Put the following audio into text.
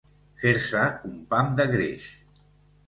Fer-se un pam de greix.